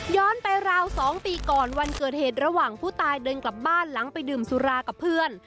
ไปราว๒ปีก่อนวันเกิดเหตุระหว่างผู้ตายเดินกลับบ้านหลังไปดื่มสุรากับเพื่อน